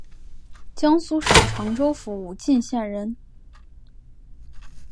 江苏省常州府武进县人。